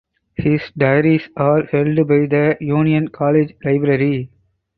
His diaries are held by the Union College library.